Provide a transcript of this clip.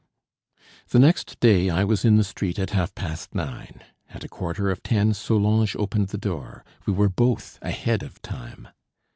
The next day I was in the street at half past nine. At a quarter of ten Solange opened the door. We were both ahead of time.